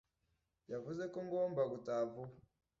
Yavuze ko ngomba gutaha vuba